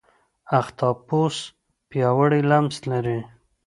اختاپوس پیاوړی لمس لري.